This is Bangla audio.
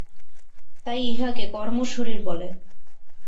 তাই ইহাকে কর্ম শরীর বলে।